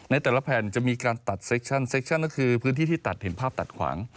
ในแต่ละแผ่นจะมีการตัดเซคชั่นเคคชั่นก็คือพื้นที่ที่ตัดเห็นภาพตัดขวาง